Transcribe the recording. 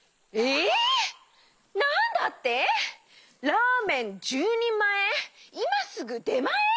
ラーメン１０にんまえいますぐでまえ！？